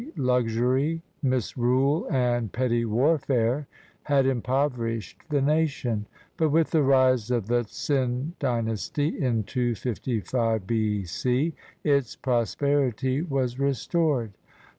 luxury, misrule, and petty warfare had impoverished the nation, but with the rise of the Tsin Dynasty in 255 B.C. its prosperity was restored.